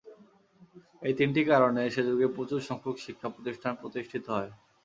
এই তিনটি কারণে সে যুগে প্রচুর সংখ্যক শিক্ষা প্রতিষ্ঠান প্রতিষ্ঠিত হয়।